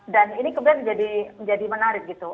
dan ini kebetulan menjadi menarik gitu